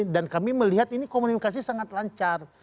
dan kami melihat ini komunikasi sangat lancar